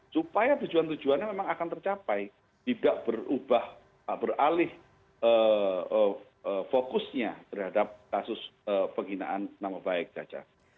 supaya tujuan tujuannya memang akan tercapai tidak berubah beralih fokusnya terhadap kasus penghinaan nama baik caca